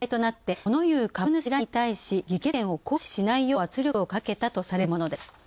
物言う株主らに対し議決権を行使しないよう圧力をかけたとされるものです。